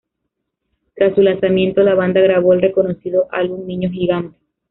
Tras su lanzamiento, la banda grabó el reconocido álbum "Niño gigante".